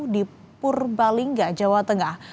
di purbalingga jawa tengah